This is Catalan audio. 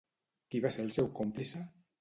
Qui va ser el seu còmplice?